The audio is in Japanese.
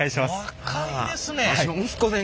若いですね。